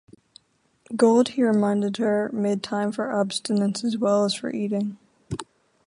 God, he reminded her, made time for abstinence as well as for eating.